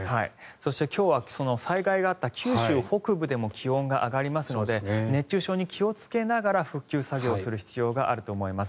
そして今日は災害があった九州北部でも気温が上がりますので熱中症に気をつけながら復旧作業をする必要があると思います。